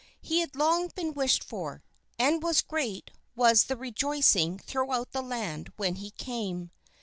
He had long been wished for, and great was the rejoicing throughout the land when he came.